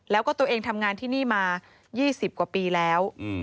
แล้วก็ตัวเองทำงานที่นี่มา๒๐กว่าปีแล้ว